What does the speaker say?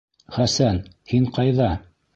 Хәсән! һин ҡайҙа?